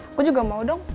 aku juga mau dong